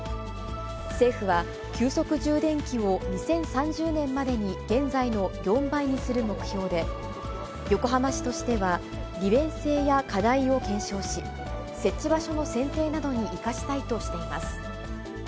政府は急速充電器を２０３０年までに現在の４倍にする目標で、横浜市としては、利便性や課題を検証し、設置場所の選定などに生かしたいとしています。